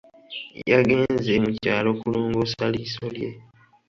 Yagenze mu kyalo kulongoosa liiso lye.